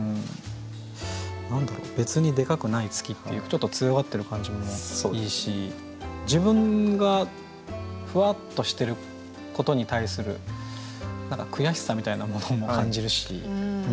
何だろう「別にデカくない月」っていうちょっと強がってる感じもいいし自分がふわっとしてることに対する何か悔しさみたいなものも感じるし。